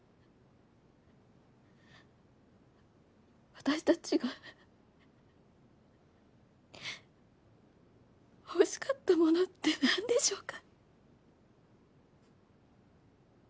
私たちが欲しかったものって何でしょうか？